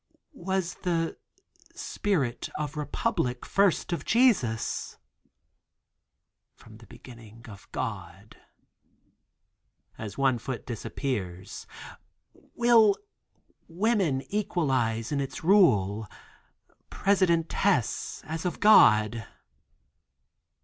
"Was the spirit of republic first of Jesus?" "From the beginning of God." As a foot disappears. "Will woman equalize in its rule, Presidentess as of God?"